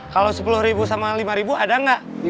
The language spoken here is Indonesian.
kalau sepuluh ribu sama lima ribu ada nggak